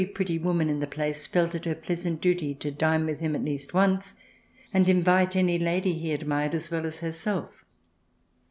vii pretty woman in the place felt it her pleasant duty to dine him at least once and invite any lady he admired as well as herself.